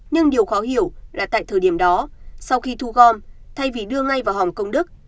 nhưng điều khó hiểu là tại thời điểm đó sau khi thu gom thay vì đưa ngay vào hòng công đức